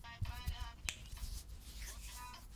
Kaskazini imepungua sana kwa sababu ya udhibiti mkali wa